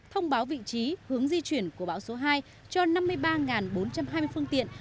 thông báo vị trí hướng di chuyển của bão số hai cho năm mươi ba bốn trăm hai mươi phương tiện